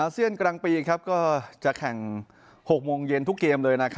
เซียนกลางปีก็จะแข่ง๖โมงเย็นทุกเกมเลย